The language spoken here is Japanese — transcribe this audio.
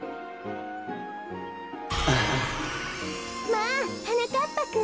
まあはなかっぱくん。